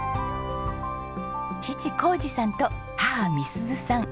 父光治さんと母美鈴さん。